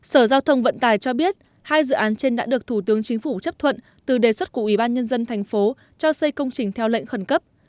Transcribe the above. sở giao thông vận tài cho biết hai dự án trên đã được thủ tướng chính phủ chấp thuận từ đề xuất của ủy ban nhân dân thành phố cho xây công trình theo lệnh khẩn cấp